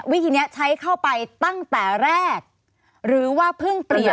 วิธีนี้ใช้เข้าไปตั้งแต่แรกหรือว่าเพิ่งเปลี่ยน